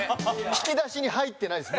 引き出しに入ってないです。